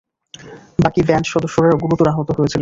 বাকি ব্যান্ড সদস্যরা গুরুতর আহত হয়েছিল।